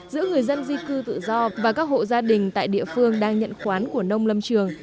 giữa người dân di cư tự do và các hộ gia đình tại địa phương đang nhận khoán của nông lâm trường